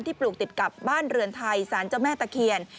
ปลูกติดกับบ้านเรือนไทยสารเจ้าแม่ตะเคียน